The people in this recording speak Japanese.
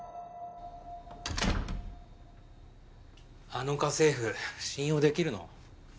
あの家政婦信用できるの？